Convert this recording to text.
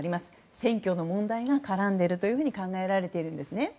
選挙の問題が絡んでいると考えられているんです。